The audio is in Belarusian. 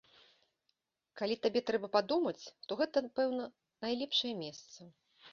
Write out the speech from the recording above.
Калі табе трэба падумаць, то гэта, пэўна, найлепшае месца.